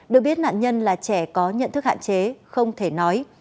được biết nạn nhân là trẻ có nhận thức hạn chế không thể nói